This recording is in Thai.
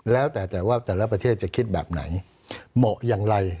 แล้วแต่แต่ว่าแต่ละประเทศจะคิดแบบไหนเหมาะอย่างไร